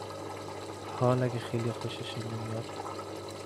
حاال اگه خیلیا خوششون نمیاد